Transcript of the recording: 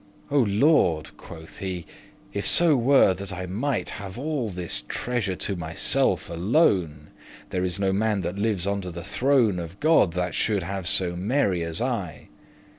"O Lord!" quoth he, "if so were that I might Have all this treasure to myself alone, There is no man that lives under the throne Of God, that shoulde have so merry as I."